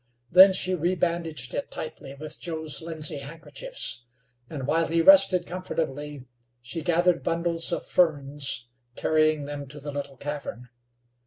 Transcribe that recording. Then she rebandaged it tightly with Joe's linsey handkerchiefs, and while he rested comfortable she gathered bundles of ferns, carrying them to the little cavern.